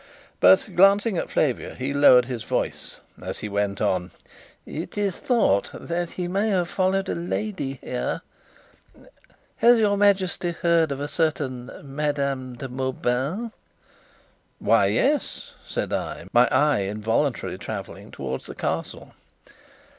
But, glancing at Flavia, he lowered his voice, as he went on: "It is thought that he may have followed a lady here. Has your Majesty heard of a certain Madame de Mauban?" "Why, yes," said I, my eye involuntarily travelling towards the Castle.